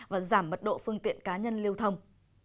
và giảm mật độ phương tiện cá nhân lưu thông